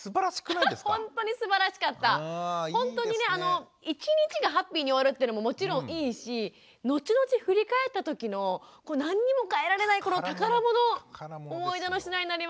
ほんとにね一日がハッピーに終わるっていうのももちろんいいし後々振り返ったときの何にもかえられないこの宝物思い出の品になりますよね。